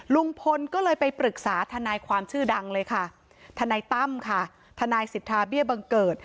ลุงพลก็เลยไปปรึกษาทนายความชื่อดังเลยค่ะทนายตั้มค่ะทนายสิทธาเบี้ยบังเกิด